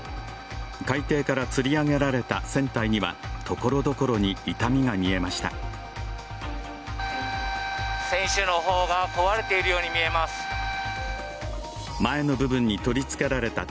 海底からつり上げられた船体にはところどころに傷みが見えました。